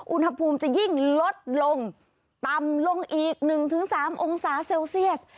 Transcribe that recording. อุณหภูมิจะยิ่งลดลงต่ำลงอีก๑๓องศาเซลเซียส